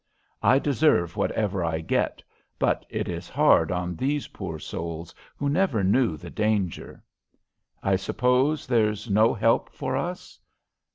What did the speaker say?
I deserve whatever I get, but it is hard on these poor souls who never knew the danger." "I suppose there's no help for us?"